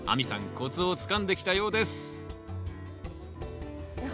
コツをつかんできたようですえっ